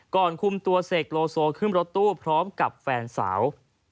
คุมตัวเสกโลโซขึ้นรถตู้พร้อมกับแฟนสาว